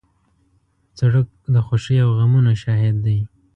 سړک د خوښۍ او غمونو شاهد دی.